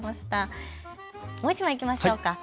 もう１枚いきましょうか。